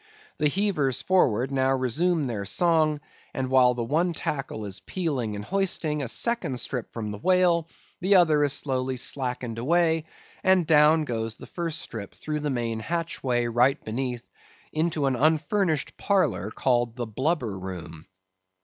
The heavers forward now resume their song, and while the one tackle is peeling and hoisting a second strip from the whale, the other is slowly slackened away, and down goes the first strip through the main hatchway right beneath, into an unfurnished parlor called the blubber room.